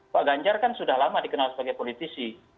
pak ganjar kan sudah lama dikenal sebagai politisi